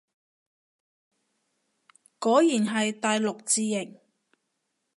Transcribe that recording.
果然係大陸字形